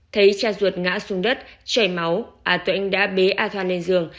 thấy cha ruột ngã xuống đất chảy máu a tĩnh đã bế a thoan lên giường